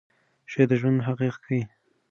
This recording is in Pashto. شعر د ژوند حقایق ښیي.